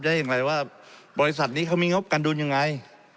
ได้อย่างไรว่าบริษัทนี้เขามีงบการดูนยังไง